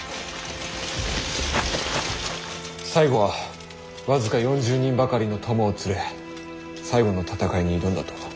最後は僅か４０人ばかりの供を連れ最後の戦いに挑んだと。